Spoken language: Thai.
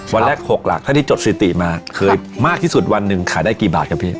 วันแรก๖หลักเท่าที่จดสิติมาเคยมากที่สุดวันหนึ่งขายได้กี่บาทครับพี่